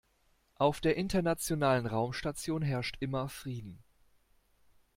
Auf der Internationalen Raumstation herrscht immer Frieden.